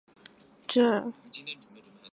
科萨瓦是白俄罗斯布列斯特州的一个镇。